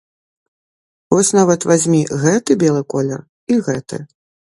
Вось нават вазьмі гэты белы колер і гэты.